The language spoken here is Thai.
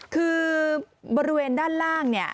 คือบริเวณด้านล่างเนี่ย